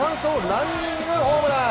ランニングホームラン！